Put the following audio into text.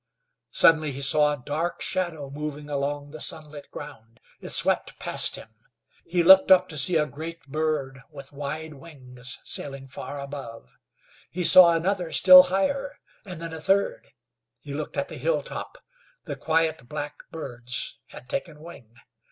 Suddenly he saw a dark shadow moving along the sunlit ground. It swept past him. He looked up to see a great bird with wide wings sailing far above. He saw another still higher, and then a third. He looked at the hilltop. The quiet, black birds had taken wing.